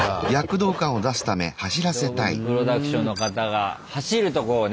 動物プロダクションの方が走るとこをね